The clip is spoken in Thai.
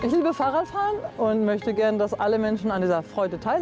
ฉันรักฝ่ารถฟังและอยากให้ทุกคนมีเวลาที่ชอบภัย